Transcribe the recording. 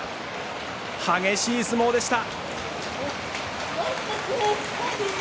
激しい相撲でした。